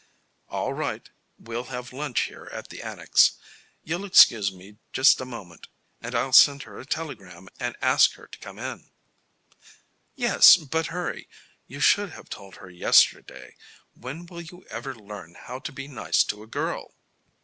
"All right. We'll have lunch here at the Annex. You'll excuse me just a moment, and I'll send her a telegram and ask her to come in." "Yes, but hurry. You should have told her yesterday. When will you ever learn how to be nice to a girl?"